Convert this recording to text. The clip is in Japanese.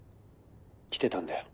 来てたんだよ。